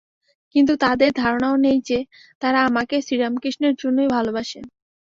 কিন্তু তাদের ধারণাও নেই যে, তারা আমাকে শ্রীরামকৃষ্ণেরই জন্য ভালবাসে।